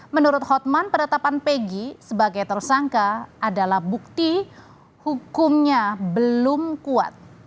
menurut hotman penetapan pegi sebagai tersangka adalah bukti hukumnya belum kuat